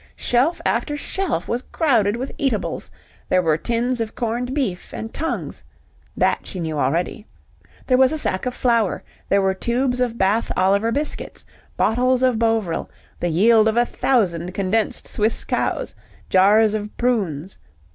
Shelf after shelf was crowded with eatables; there were tins of corned beef and tongues (that she knew already), there was a sack of flour, there were tubes of Bath Oliver biscuits, bottles of Bovril, the yield of a thousand condensed Swiss cows, jars of prunes.